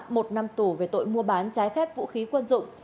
một năm tù về tội mua bán trái phép vũ khí quân dụng